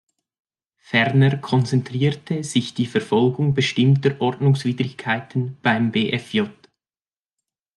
Ferner konzentriert sich die Verfolgung bestimmter Ordnungswidrigkeiten beim BfJ.